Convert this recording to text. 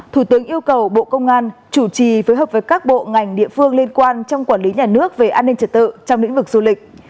thủ tướng yêu cầu bộ công an chủ trì phối hợp với các bộ ngành địa phương liên quan trong quản lý nhà nước về an ninh trật tự trong lĩnh vực du lịch